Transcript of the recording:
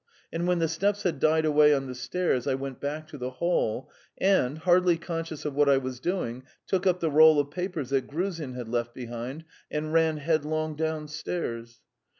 And when the steps had died away on the stairs, I went back to the hall, and, hardly conscious of what I was doing, took up the roll of papers that Gruzin had left behind, and ran headlong downstairs.